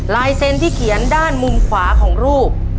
ลายเซ็นต์ที่เขียนด้านมุมขวาของรูป